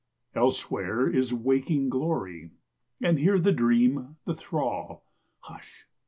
Elsewhere is waking glory, and here the dream, the thrall. Hush!